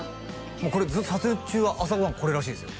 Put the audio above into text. もうこれ撮影中は朝ご飯これらしいですよ